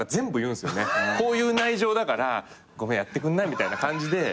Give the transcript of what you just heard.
こういう内情だからごめんやってくんない？みたいな感じで。